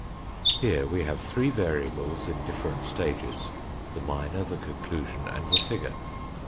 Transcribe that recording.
Here we have three variables in different stages, the minor, the con clusion, and the figure.